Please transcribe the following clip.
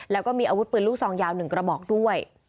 แล้วก็มีอาวุธปืนลูกซองยาว๑กระบอกด้วย